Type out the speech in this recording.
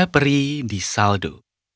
para peri di saldo